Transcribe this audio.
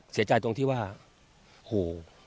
เสียใจตรงที่ว่าโห